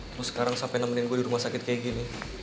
terus sekarang sampai nemenin gua di rumah sakit seperti ini